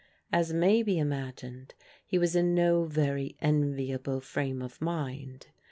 As may be imagined, he was in no very enviable frame of mind.